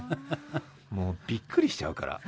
もうびっくりしちゃうから。